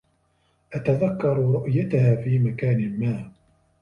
أتذكر رؤيتها في مكان ما.